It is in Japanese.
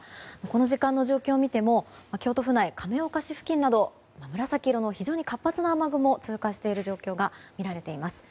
この時間の状況を見ても京都府内、亀岡市付近など紫色の非常に活発な雨雲が通過している状況が見られています。